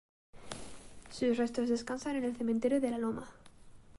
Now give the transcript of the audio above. Sus restos descansan en el cementerio de la Loma.